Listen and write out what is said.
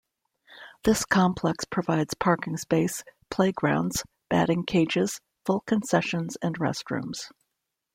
This complex provides parking space, playgrounds, batting cages, full concessions and restrooms.